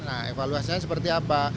nah evaluasinya seperti apa